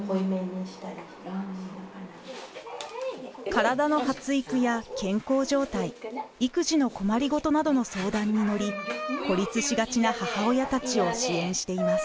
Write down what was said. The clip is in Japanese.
体の発育や健康状態育児の困りごとなどの相談に乗り孤立しがちな母親たちを支援しています。